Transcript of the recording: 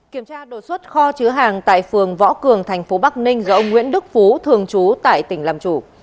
kiểm tra đột xuất kho chứa hàng tại phường võ cường thành phố bắc ninh do ông nguyễn đức phú thường trú tại tỉnh làm chủ